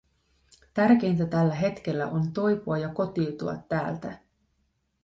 Tärkeintä tällä hetkellä on toipua ja kotiutua täältä.